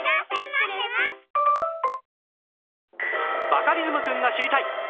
バカリズムくんが知りたい！